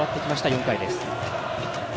４回です。